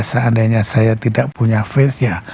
seandainya saya tidak punya face ya